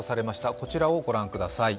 こちらを御覧ください。